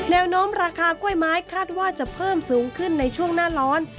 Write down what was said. แนวโน้มราคากล้วยไม้คาดว่าจะเพิ่มสูงขึ้นในช่วงหน้าร้อน